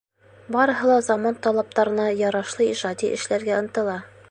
— Барыһы ла заман талаптарына ярашлы ижади эшләргә ынтыла.